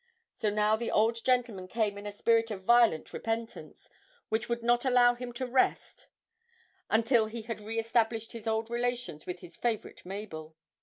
So now the old gentleman came in a spirit of violent repentance which would not allow him to rest until he had re established his old relations with his favourite Mabel.